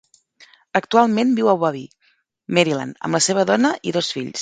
Actualment viu a Bowie, Maryland, amb la seva dona i dos fills.